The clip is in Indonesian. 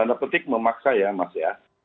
tanda petik memaksa ya mas ya